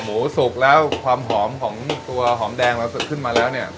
สุกแล้วความหอมของตัวหอมแดงเราขึ้นมาแล้วเนี่ย